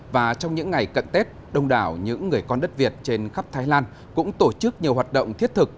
và trong những ngày cận tết đông đảo những người con đất việt trên khắp thái lan cũng tổ chức nhiều hoạt động thiết thực